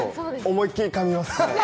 思いきりかみます。